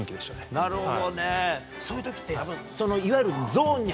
なるほどねそういう時っていわゆる。